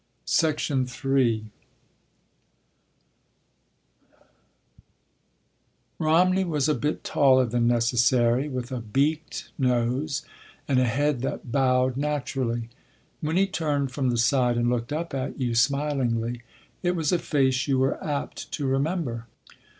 *3* Romney was a bit taller than necessary with a beaked nose and a head that bowed naturally. When he turned from the side and looked up at you smilingly, it was a face you were apt to remember.